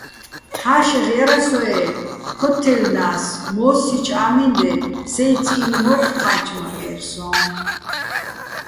ჰ̦ა́შეღ ჲარასოე́, ქოთთაჲლნა́ს, მო́სსიჩო̆ ა́მინდე სეჲ წი́ნი̆ მო́ჰ̦ ჴა́ჩმაკერ სო́ჼ.